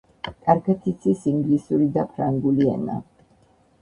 კარგად იცის ინგლისური და ფრანგული ენა.